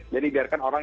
jadi biarkan orang orang